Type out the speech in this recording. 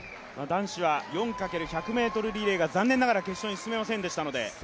男子は４×１００ｍリレーが残念ながら決勝に進めませんでしたので。